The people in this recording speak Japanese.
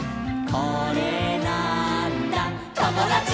「これなーんだ『ともだち！』」